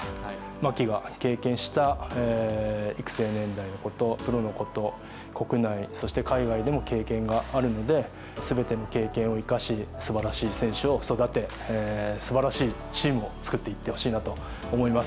マキが経験した育成年代のこと、プロのこと、国内、そして海外でも経験があるので、すべての経験を生かし、すばらしい選手を育て、すばらしいチームを作っていってほしいなと思います。